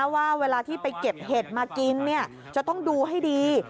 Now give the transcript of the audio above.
ว่าเวลาที่ไปเก็บเห็ดมากินจะต้องดูให้ดี